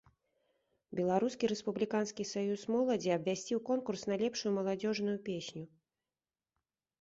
Беларускі рэспубліканскі саюз моладзі абвясціў конкурс на лепшую маладзёжную песню.